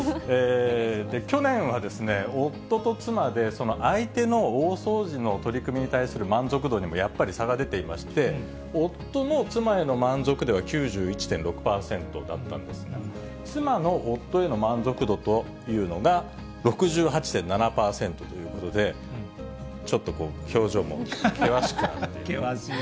去年は夫と妻で、相手の大掃除の取り組みに対する満足度にもやっぱり差が出ていまして、夫の妻への満足度は９１．６％だったんですが、妻の夫への満足度というのが、６８．７％ということで、ちょっと表情も険しくなって。